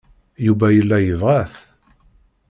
Yuba yella yebɣa-t.